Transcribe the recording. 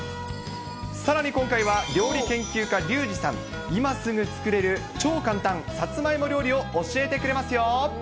さらに今回は料理研究家、リュウジさん、いますぐ作れる超簡単さつまいも料理を教えてくれますよ。